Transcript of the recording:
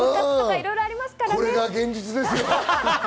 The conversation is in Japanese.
これが現実ですよ。